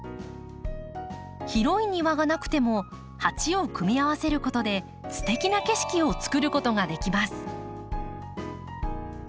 広い庭がなくても鉢を組み合わせることですてきな景色をつくることができます。